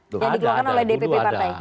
yang dikeluarkan oleh dpp partai